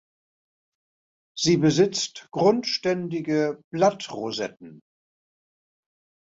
Sie besitzt grundständige Blattrosetten.